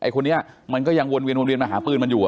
เขามายังวนวิอยังมาหาปืนมันอยู่